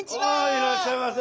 あいらっしゃいませ！